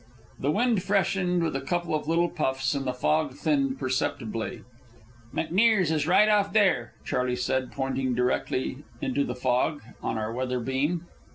The wind freshened with a couple of little puffs, and the fog thinned perceptibly. "McNear's is right off there," Charley said, pointing directly into the fog on our weather beam.